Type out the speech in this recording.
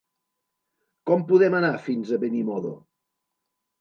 Com podem anar fins a Benimodo?